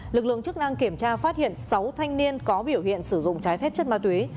lực lượng chức năng kiểm tra phát hiện sáu thanh niên có biểu hiện sử dụng trái phép chất ma túy